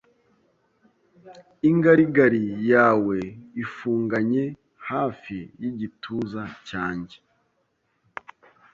ingarigari yawe ifunganye Hafi yigituza cyanjye